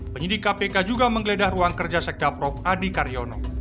penyidik kpk juga menggeledah ruang kerja sekda prof adi karyono